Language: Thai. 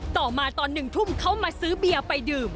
ต่อมาตอน๑ทุ่มเขามาซื้อเบียร์ไปดื่ม